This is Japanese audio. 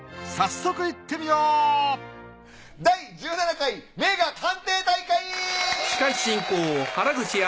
早速いってみよう第１７回名画鑑定大会！